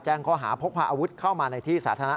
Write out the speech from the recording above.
แจ้งข้อหาพกพาอาวุธเข้ามาในที่สาธารณะ